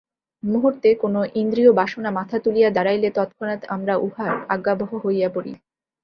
মুহূর্তে কোন ইন্দ্রিয়-বাসনা মাথা তুলিয়া দাঁড়াইলে তৎক্ষণাৎ আমরা উহার আজ্ঞাবহ হইয়া পড়ি।